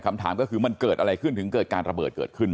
คำถามก็คือมันเกิดอะไรขึ้นถึงเกิดการระเบิดเกิดขึ้น